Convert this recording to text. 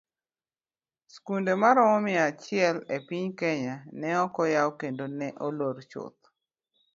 Skunde maromo mia achiel e piny kenya ne okoyaw kendo ne olor chuth.